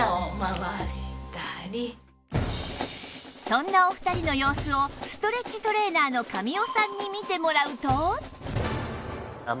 そんなお二人の様子をストレッチトレーナーの神尾さんに見てもらうと